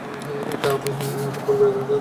এটা আমি আমার পরিবারকেও জানিয়েছি।